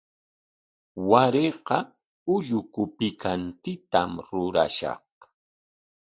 Warayqa ulluku pikantitam rurashaq.